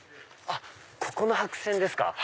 あっここの白線ですか？